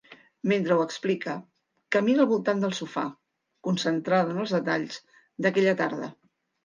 Mentre ho explica, camina al voltant del sofà, concentrada en els detalls d'aquella tarda.